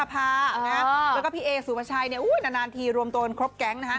เพราะว่าพี่เอสุพชัยนานทีรวมโตนครบแก๊ง